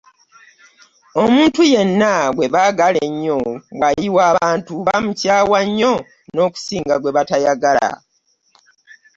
“Omuntu yenna gwe baagala ennyo bw'ayiwa abantu bamukyawa nnyo n'okusinga gwe batayagala.